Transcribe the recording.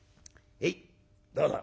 へいどうぞ」。